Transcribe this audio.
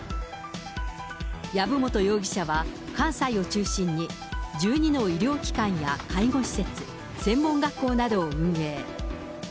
籔本容疑者は関西を中心に１２の医療機関や介護施設、専門学校などを運営。